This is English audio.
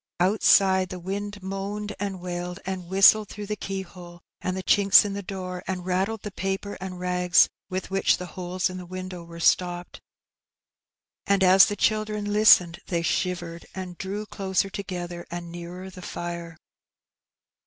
Outside, the wind moaned and wailed, and whistled through the keyhole and the chinks in the door, and rattled the paper and rags with which the holes in the window were stopped. And as the children listened they shivered, and drew closer together, and nearer the fire.